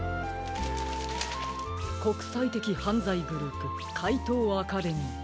「こくさいてきはんざいグループかいとうアカデミー」。